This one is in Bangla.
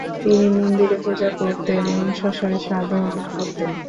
তিনি মন্দিরে পূজা করতেন এবং শ্মশানে সাধনা করতেন।